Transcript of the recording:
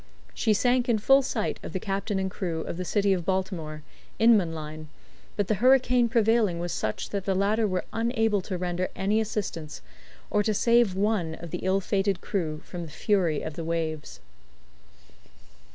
She sank in full sight of the captain and crew of the City of Baltimore (Inman Line), but the hurricane prevailing was such that the latter were unable to render any assistance, or to save one of the ill fated crew from the fury of the waves.